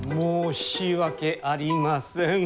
申し訳ありません。